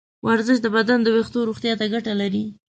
ورزش د بدن د ویښتو روغتیا ته ګټه لري.